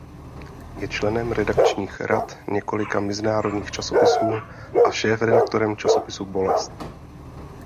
Je členem redakčních rad několika mezinárodních časopisů a šéfredaktorem časopisu Bolest.